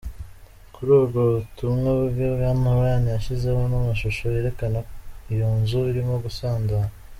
Kuri ubwo butumwa bwe, Bwana Ryan yashyizeho n'amashusho yerekana iyo nzu irimo gusandara.